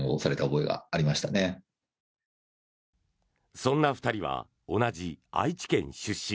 そんな２人は同じ愛知県出身。